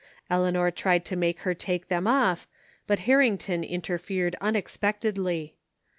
Eleanor tried to make her take them off, but Harrington interfered unexpectedly.